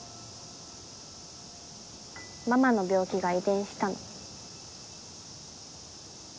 ママの病気が遺伝したの。